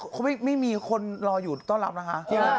เขาไม่มีคนรออยู่ต้อนรับนะคะ